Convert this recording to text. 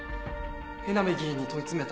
江波議員に問い詰めた。